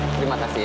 terima kasih ya